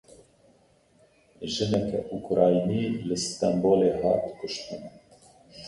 Jineke Ukraynî li Stenbolê hat kuştin.